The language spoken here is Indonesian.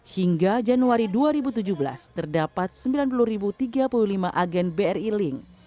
hingga januari dua ribu tujuh belas terdapat sembilan puluh tiga puluh lima agen bri link